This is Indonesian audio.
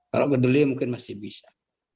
kalau kedelai mungkin masih bisa